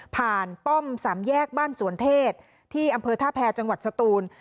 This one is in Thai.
ป้อมสามแยกบ้านสวนเทศที่อำเภอท่าแพรจังหวัดสตูน